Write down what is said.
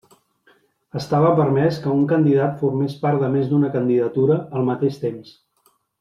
Estava permès que un candidat formés part de més d'una candidatura al mateix temps.